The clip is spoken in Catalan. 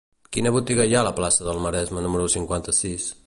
Quina botiga hi ha a la plaça del Maresme número cinquanta-sis?